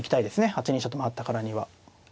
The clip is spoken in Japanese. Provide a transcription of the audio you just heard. ８二飛車と回ったからには。